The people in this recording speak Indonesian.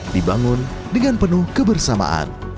dibangun dengan penuh kebersamaan